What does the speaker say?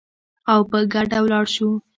او په ګډه ولاړ شو